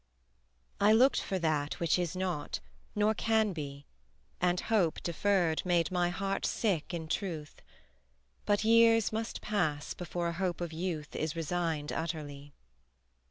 I looked for that which is not, nor can be, And hope deferred made my heart sick in truth But years must pass before a hope of youth Is resigned utterly.